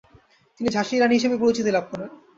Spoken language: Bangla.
তিনি ঝাঁসীর রাণী হিসেবে পরিচিতি লাভ করেন।